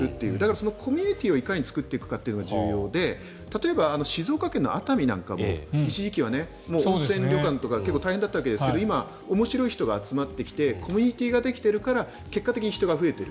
そのコミュニティーをいかに作っていくかが重要で例えば熱海なんかは一時期は温泉旅館とか大変だったわけですが今、面白い人が集まってきてコミュニティーができてるから結果的に人が集まってている。